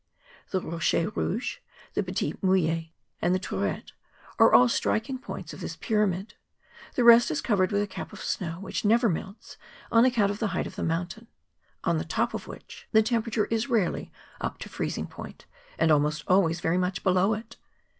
The Eochers Kouges, the Petits Mulets, and the Tourette, are all striking points of this pyramid; the rest is covered with a cap of snow, which never melts, on account of the height of the mountain, on the top of which the MONT BLANC. 29 temperature is rarely up to freezing point, and almost always very much below it.